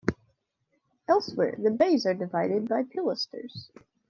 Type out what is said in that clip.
Elsewhere the bays are divided by pilasters.